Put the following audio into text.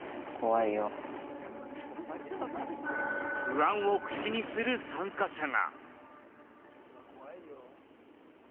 不安を口にする参加者が。